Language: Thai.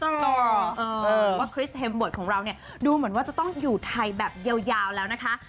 ต้องต่อว่าคริสเฮมเวิร์ดของเราเนี่ยดูเหมือนว่าจะต้องอยู่ไทยแบบยาวแล้วนะคะ